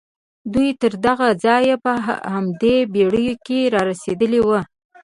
دوی تر دغه ځايه په همدې بېړيو کې را رسېدلي وو.